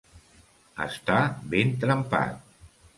Estar ben trempat.